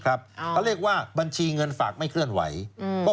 เขาเรียกว่าบัญชีเงินฝากไม่เคลื่อนไหวก็